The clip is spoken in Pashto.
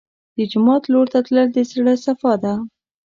د جومات لور ته تلل د زړه صفا ده.